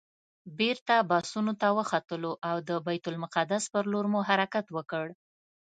بېرته بسونو ته وختلو او د بیت المقدس پر لور مو حرکت وکړ.